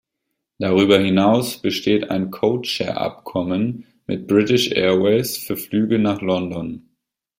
Darüber hinaus besteht ein Codeshare-Abkommen mit British Airways für Flüge nach London.